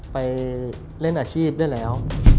ไปเล่นอาชีพได้แล้ว